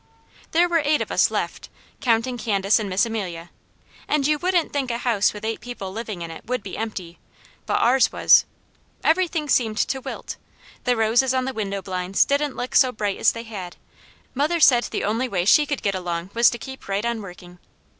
There were eight of us left, counting Candace and Miss Amelia, and you wouldn't think a house with eight people living in it would be empty, but ours was. Everything seemed to wilt. The roses on the window blinds didn't look so bright as they had; mother said the only way she could get along was to keep right on working.